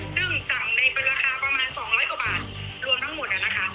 ซึ่งสั่งในราคาประมาณ๒๐๐กว่าบาทรวมทั้งหมดนะคะ